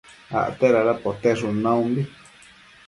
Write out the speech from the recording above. acte dada poteshun naumbi